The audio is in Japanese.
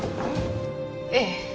ええ。